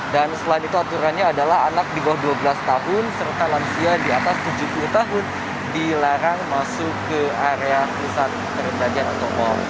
dan selain itu aturannya adalah anak di bawah dua belas tahun serta lansia di atas tujuh puluh tahun dilarang masuk ke area pusat perbelanjaan atau mal